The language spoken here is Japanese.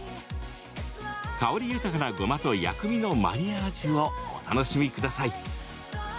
香り豊かなごまと薬味のマリアージュをお楽しみください。